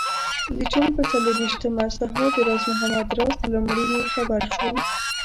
د جون پر څلرویشتمه سهار د راز محمد راز له مړینې خبر شوم.